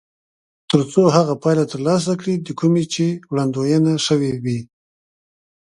تر څو هغه پایله ترلاسه کړي د کومې چې وړاندوينه شوې وي.